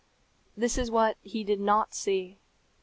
This is what he did not see.